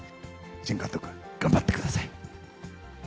新監督、頑張ってください。